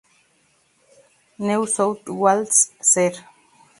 New South Wales, ser.